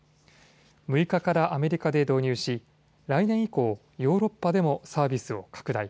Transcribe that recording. ６日からアメリカで導入し来年以降、ヨーロッパでもサービスを拡大。